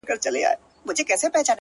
• ولیکه اسمانه د زمان حماسه ولیکه,